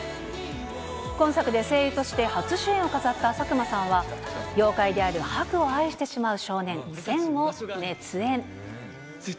今作で声優として初主演を飾った佐久間さんは、妖怪であるはくを愛してしまう少年、宣を熱演。